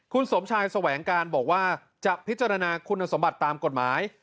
คุณสมชายแสวงการบอกว่าจะพิจารณาคุณสมบัติตามกฎหมาย